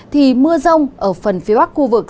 thì mưa rông ở phần phía bắc